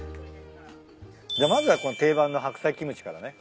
まずはこの定番の白菜キムチからね。